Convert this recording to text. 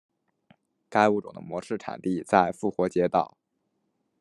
该物种的模式产地在复活节岛。